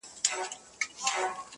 سپرلی ټینګه وعده وکړي چي راځمه,